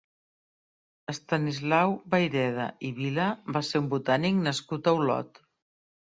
Estanislau Vayreda i Vila va ser un botànic nascut a Olot.